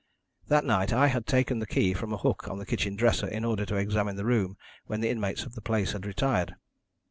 That night I had taken the key from a hook on the kitchen dresser in order to examine the room when the inmates of the place had retired.